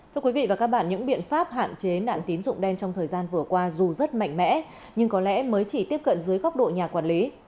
thưa quý vị và các bạn những biện pháp hạn chế nạn tín dụng đen trong thời gian vừa qua dù rất mạnh mẽ nhưng có lẽ mới chỉ tiếp cận dưới góc độ nhà quản lý